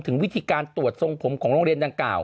ถึงวิธีการตรวจทรงพลมของโรงเรียนดั้ง๙